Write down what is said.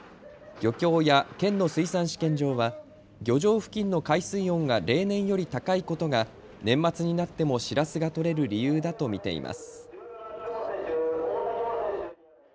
漁協や県の水産試験場は漁場付近の海水温が例年より高いことが年末になってもシラスが取れる理由だと見ています。